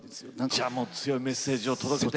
じゃもう強いメッセージを届けて。